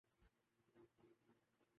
تو ان چہروں کی وجہ سے۔